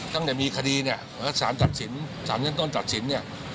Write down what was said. ตั้งแต่มีคดีสารเชี่ยงต้นจัดสินเนี่ย